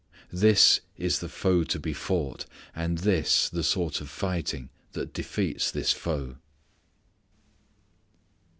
_ This is the foe to be fought. And this the sort of fighting that defeats this foe.